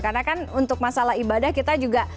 karena kan untuk masalah ibadah kita juga